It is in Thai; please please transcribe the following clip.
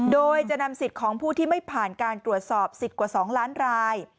โดยจะนำสิทธิ์ของผู้ที่ไม่ผ่านการตรวจสอบสิทธิ์กว่า๒ล้านราย